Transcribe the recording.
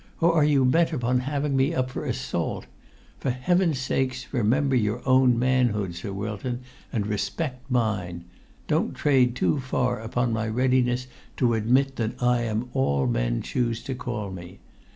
Or are you bent upon having me up for assault? For heaven's sake remember your own manhood, Sir Wilton, and respect mine; don't trade too far upon my readiness to admit that I am all men choose to call me.